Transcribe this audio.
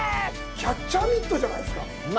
キャッチャーミットじゃないですか。